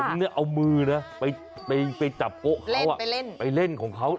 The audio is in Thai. ผมเนี่ยเอามือไปหักแล้วไปเล่นของเค้า